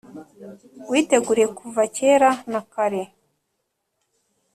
witeguriye kuva kera na kare.